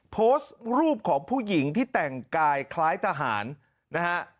โพสต์รูปของผู้หญิงที่แต่งกายคล้ายทหารนะฮะ